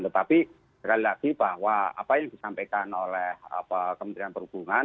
tetapi sekali lagi bahwa apa yang disampaikan oleh kementerian perhubungan